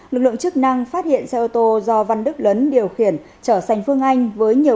lực lượng chức năng phát hiện xe ô tô do văn đức lớn điều khiển trở sành phương anh với nhiều